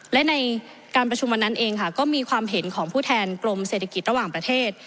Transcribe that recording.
และในการประชุมวันนั้นเองค่ะก็มีความเห็นของผู้แทนกรมเศรษฐกิจระหว่างประเทศ